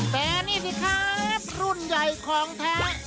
แต่นี่สิครับรุ่นใหญ่ของแท้